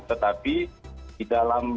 tetapi di dalam